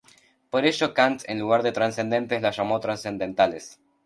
Por ello Kant en lugar de trascendentes las llamó trascendentales.